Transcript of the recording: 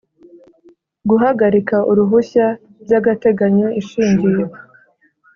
guhagarika uruhushya by agateganyo ishingiye